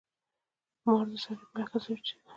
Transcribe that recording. مار د سړي بله ښځه وچیچله.